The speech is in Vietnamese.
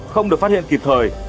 không được phát hiện kịp thời